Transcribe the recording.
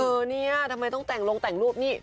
เออเนี่ยทำไมต้องแต่งลงแต่งรูปนี่